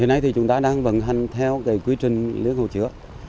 hiện nay thì chúng ta đang vận hành theo cái quy trình liên hồ chứa